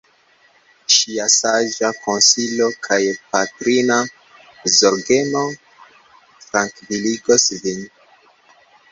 Ŝia saĝa konsilo kaj patrina zorgemo trankviligos vin.